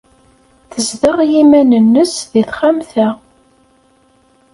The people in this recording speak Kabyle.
Tezdeɣ i yiman-nnes deg texxamt-a.